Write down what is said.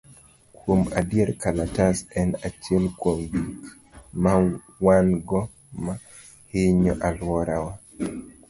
Kuom adier, kalatas en achiel kuom gik ma wan go ma hinyo alworawa.